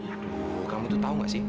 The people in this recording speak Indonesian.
aduh kamu tuh tahu gak sih